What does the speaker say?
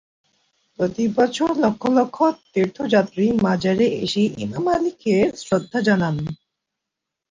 প্রতি বছর লক্ষ লক্ষ তীর্থযাত্রী মাজারে এসে ইমাম আলীকে শ্রদ্ধা জানান।